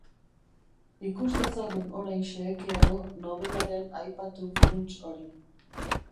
Ikus dezagun orain xehekiago nobelaren aipatu funts hori.